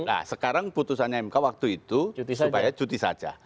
nah sekarang putusannya mk waktu itu supaya cuti saja